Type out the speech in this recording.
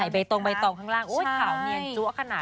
ใส่ใบตองใบตองข้างล่างอุ้ยขาวเนียนจุ๊ะขนาดนั้น